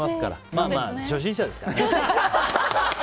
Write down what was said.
まあまあ、初心者ですから。